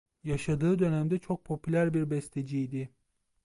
Yaşadığı dönemde çok popüler bir besteci idi.